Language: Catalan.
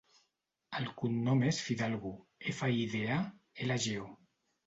El cognom és Fidalgo: efa, i, de, a, ela, ge, o.